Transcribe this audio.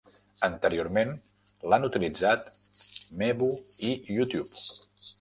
Anteriorment l'han utilitzat Meebo i YouTube.